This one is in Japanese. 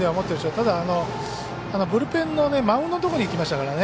ただ、ブルペンのマウンドのところにいきましたからね。